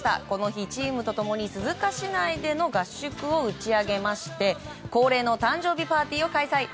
この日、チームと共に鈴鹿市内での合宿を打ち上げまして恒例の誕生日パーティーを開催。